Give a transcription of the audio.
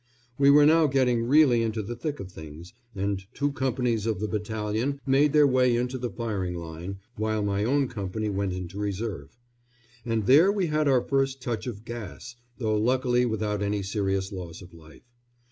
We were now getting really into the thick of things, and two companies of the battalion made their way into the firing line, while my own company went into reserve; and there we had our first touch of gas, though luckily without any serious loss of life.